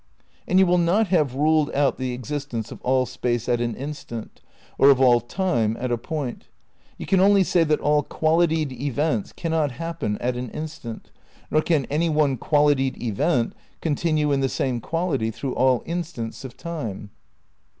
And you will not have ruled out the existence of all Space at an instant, or of all Time at a point. You can only say that all qualitied events cannot happen at an instant, nor can any one qualitied event continue in the same quality through all instants of time.